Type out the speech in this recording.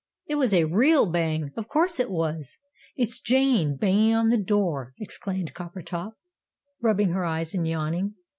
"It was a REAL Bang! Of course it was! It's Jane, banging on the door," exclaimed Coppertop, rubbing her eyes and yawning.